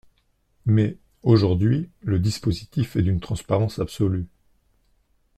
Mais, aujourd’hui, le dispositif est d’une transparence absolue.